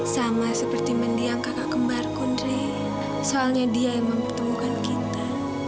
sama seperti mendiang kakak kembar kundri soalnya dia yang mempertemukan kita